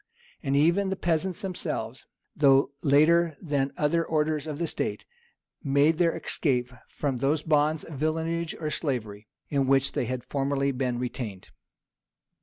And even the peasants themselves, though later than other orders of the state, made their escape from those bonds of villenage or slavery in which they had formerly been retained.